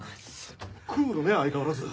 クールね相変わらず。